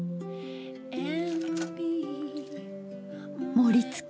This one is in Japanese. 盛りつけ！